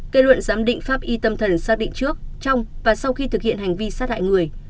kết luận giám định pháp y tâm thần xác định trước trong và sau khi thực hiện hành vi sát hại người